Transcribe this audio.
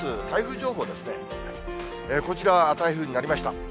台風情報ですが、こちら、台風になりました。